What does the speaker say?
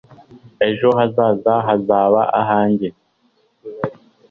ejo hazaza hazaba ibyanjye